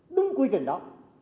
đúng quy trình đó